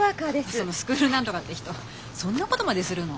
そのスクール何とかって人そんなことまでするの？